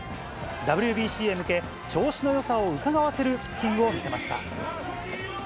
ＷＢＣへ向け、調子のよさをうかがわせるピッチングを見せました。